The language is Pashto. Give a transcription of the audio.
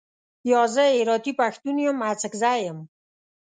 یا، زه هراتۍ پښتون یم، اڅګزی یم.